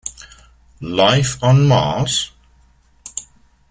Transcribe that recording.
Life on Mars?